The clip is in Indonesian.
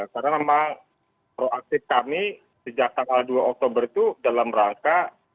karena memang proaktif kami sejak tanggal dua oktober itu dalam rangka